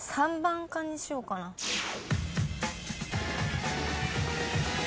３番にしようかな。